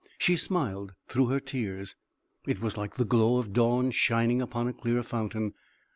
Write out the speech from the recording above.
She smiled through her tears it was like the glow of dawn shining upon a clear fountain.